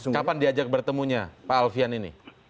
kapan diajak bertemunya pak alfian ini